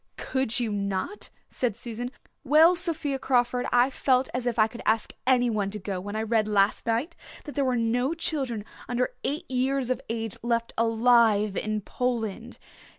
"Could you not?" said Susan. "Well, Sophia Crawford, I felt as if I could ask anyone to go when I read last night that there were no children under eight years of age left alive in Poland.